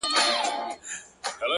له خدای وطن سره عجیبه مُحبت کوي-